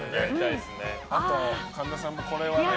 あと、神田さんもこれはね。